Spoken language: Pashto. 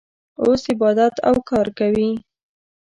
اوس عبادت او کار کوي.